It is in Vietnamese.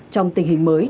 trong tình hình mới